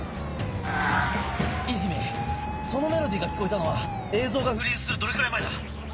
和泉そのメロディーが聞こえたのは映像がフリーズするどれぐらい前だ？